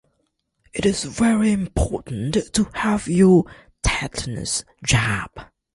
It's very important to have your tetanus jab.